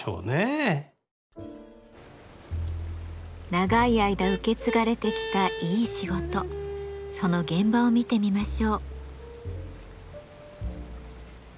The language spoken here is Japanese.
長い間受け継がれてきたいい仕事その現場を見てみましょう。